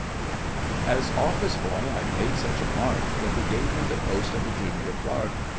As office boy I made such a mark That they gave me the post of a junior clerk.